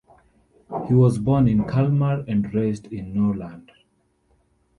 He was born in Kalmar and raised in Norrland.